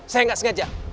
saya nggak sengaja